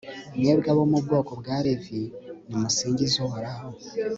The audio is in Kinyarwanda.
mwebwe abo mu bwoko bwa levi, nimusingize uhoraho